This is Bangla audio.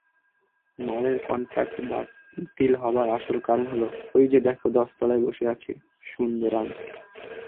মলের কন্ট্রাক্ট বাতিল হবার আসল কারণ হলো, ঐযে দেখো দশতলায় বসে আছে সুন্দরাম!